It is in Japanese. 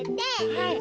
はい。